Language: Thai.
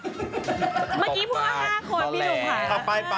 เมื่อกี้พูดว่า๕คนพี่หนุ่มค่ะ